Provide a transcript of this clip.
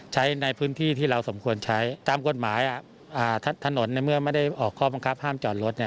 ใช้ในพื้นที่ที่เราสมควรใช้ตามกฎหมายถนนในเมื่อไม่ได้ออกข้อบังคับห้ามจอดรถ